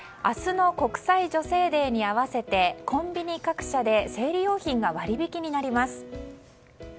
明日の国際女性デーに合わせてコンビニ各社で生理用品が割引になります。